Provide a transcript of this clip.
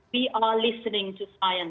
kita semua mendengarkan kata kata sains